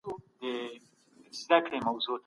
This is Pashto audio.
نظریې باید په تجربي مطالعې و ازمویل سي.